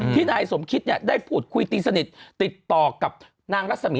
นายสมคิตได้พูดคุยตีสนิทติดต่อกับนางรัศมี